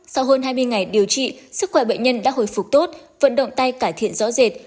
sau hơn hai mươi ngày điều trị sức khỏe bệnh nhân đã hồi phục tốt vận động tay cải thiện rõ rệt